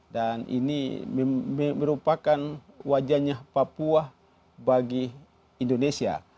dan ini merupakan wajahnya papua bagi indonesia